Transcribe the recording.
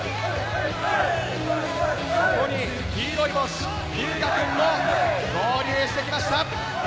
ここに黄色い帽子・龍芽くんも合流してきました。